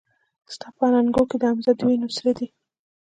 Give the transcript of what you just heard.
ستا په اننګو کې د حمزه د وينو سره دي